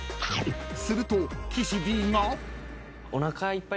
［すると岸Ｄが］